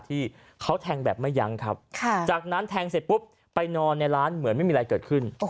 ที่เขาแทงแบบไม่ยั้งครับจากนั้นแทงเสร็จปุ๊บไปนอนในร้านเหมือนไม่มีอะไรเกิดขึ้น